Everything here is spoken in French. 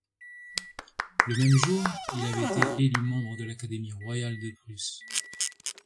Le même jour, il avait été élu membre de l'Académie royale de Prusse.